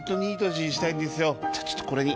じゃあちょっとこれに。